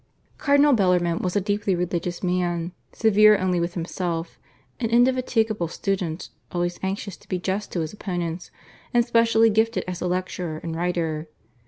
Cardinal Bellarmine was a deeply religious man, severe only with himself, an indefatigable student always anxious to be just to his opponents, and specially gifted as a lecturer and writer.